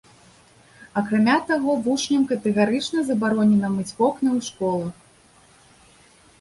Акрамя таго, вучням катэгарычна забаронена мыць вокны ў школах.